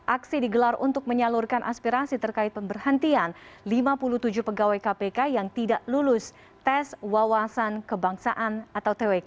aksi digelar untuk menyalurkan aspirasi terkait pemberhentian lima puluh tujuh pegawai kpk yang tidak lulus tes wawasan kebangsaan atau twk